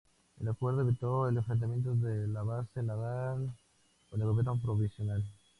El acuerdo evitó el enfrentamiento de la base naval con el Gobierno provisional.